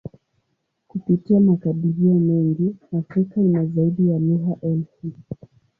Kupitia makadirio mengi, Afrika ina zaidi ya lugha elfu.